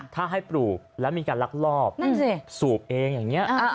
ถ้าให้ปลูกแล้วมีการลักลอบสูบเองอย่างนี้